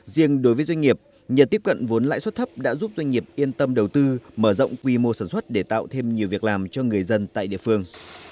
riêng đối với doanh nghiệp nhờ tiếp cận vốn lãi suất thấp đã giúp doanh nghiệp yên tâm đầu tư mở rộng quy mô sản xuất để tạo thêm nhiều việc làm cho người dân tại địa phương